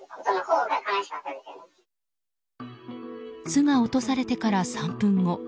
巣が落とされてから３分後。